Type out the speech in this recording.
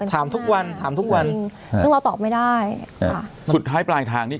ถามทุกวันถามทุกวันซึ่งเราตอบไม่ได้อ่าสุดท้ายปลายทางนี้